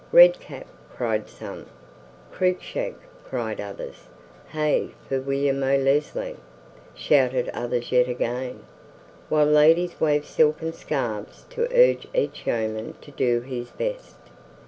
"Red Cap!" cried some; "Cruikshank!" cried others; "Hey for William o' Leslie!" shouted others yet again; while ladies waved silken scarfs to urge each yeoman to do his best.